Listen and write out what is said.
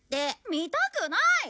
見たくない！